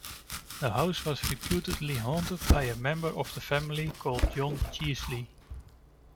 The house was reputedly haunted by a member of the family called John Chiesley.